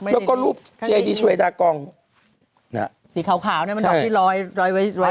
แล้วก็รูปเจดีช่วยดากองสีขาวเนี่ยมันดอกที่ร้อยไว้